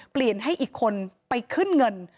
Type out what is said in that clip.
เปลี่ยนให้อีกคนไปขึ้นเงิน